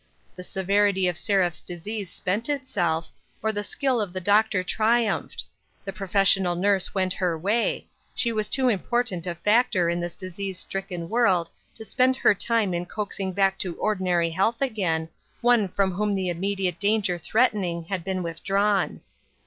The severity of Seraph's disease spent itself, or the skill of the doctor triumphed ; the professional nurse went her way ; she was too important a factor in this dis ease stricken world to spend her time in coaxing back to ordinary health again, one from whom the immediate danger threatening had been withdrawn.